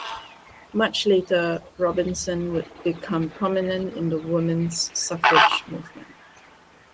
Much later, Robinson would become prominent in the women's suffrage movement.